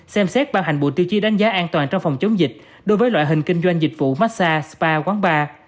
xem xét ban hành bộ tiêu chí đánh giá an toàn trong phòng chống dịch đối với loại hình kinh doanh dịch vụ massag spa quán bar